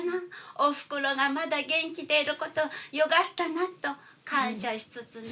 おふくろがまだ元気でいることよかったなと感謝しつつね。